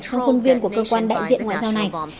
trong khuôn viên của cơ quan đại diện ngoại giao này